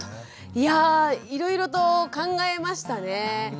いやいろいろと考えましたね。